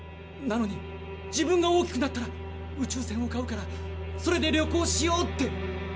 なのに「自分が大きくなったら宇宙船を買うからそれで旅行しよう」って。